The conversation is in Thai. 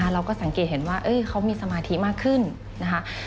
เราก็สังเกตเห็นว่าเขามีสมาธิมากขึ้นนะคะ